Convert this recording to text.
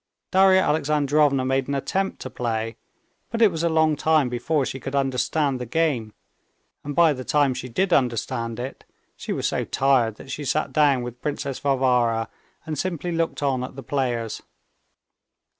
Darya Alexandrovna made an attempt to play, but it was a long time before she could understand the game, and by the time she did understand it, she was so tired that she sat down with Princess Varvara and simply looked on at the players.